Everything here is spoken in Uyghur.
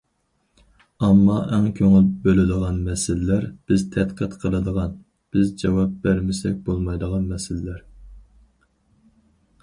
ئامما ئەڭ كۆڭۈل بۆلىدىغان مەسىلىلەر بىز تەتقىق قىلىدىغان، بىز جاۋاب بەرمىسەك بولمايدىغان مەسىلىلەر.